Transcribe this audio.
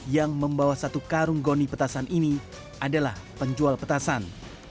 yang membawa satu karung goni petasan ini adalah penjual petasan